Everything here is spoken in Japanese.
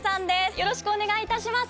よろしくお願いします。